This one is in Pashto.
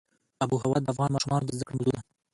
آب وهوا د افغان ماشومانو د زده کړې موضوع ده.